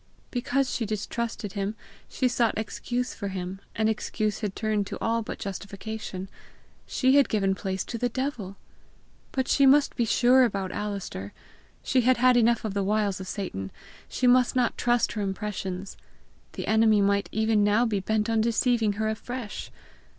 Because she distrusted him, she sought excuse for him, and excuse had turned to all but justification: she had given place to the devil! But she must be sure about Alister! She had had enough of the wiles of Satan: she must not trust her impressions! The enemy might even now be bent on deceiving her afresh!